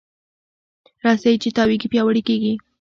رسۍ چې تاوېږي، پیاوړې کېږي.